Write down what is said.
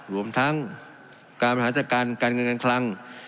รวมทั้งการบริหารจัดการการเงินการคลัง